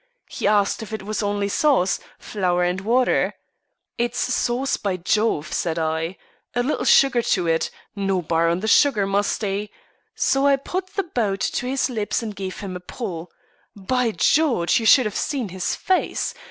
He asked if it was only sauce flour and water. 'It's sauce, by Jove,' said I, 'a little sugar to it; no bar on the sugar, Musty.' So I put the boat to his lips and gave him a pull. By George, you should have seen his face!